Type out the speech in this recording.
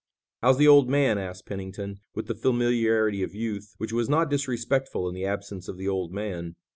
"How's the old man?" asked Pennington, with the familiarity of youth, which was not disrespectful in the absence of the "old man."